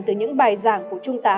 từ những bài giảng của trung tá